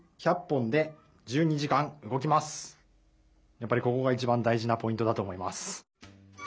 やっぱりここが一ばん大じなポイントだとおもいます。